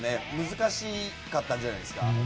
難しかったんじゃないですか。